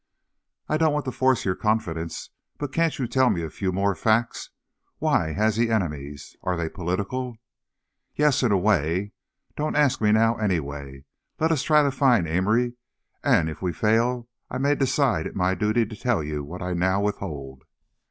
"I don't want to force your confidence, but can't you tell me a few more facts? Why has he enemies? Are they political?" "Yes; in a way. Don't ask me now anyway. Let us try to find Amory and if we fail, I may decide it my duty to tell you what I now withhold."